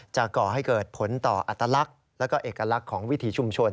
ก่อให้เกิดผลต่ออัตลักษณ์และเอกลักษณ์ของวิถีชุมชน